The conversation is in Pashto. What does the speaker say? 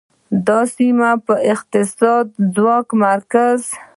دا سیمه د اقتصادي ځواک مرکز و